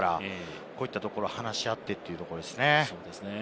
こういったところは話し合ってということですね。